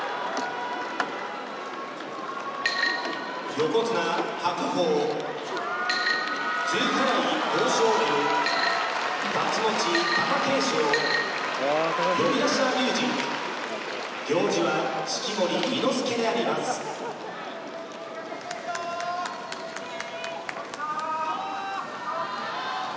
横綱・白鵬露払い豊昇龍太刀持ち貴景勝呼出は隆二行司は式守伊之助であります・白鵬！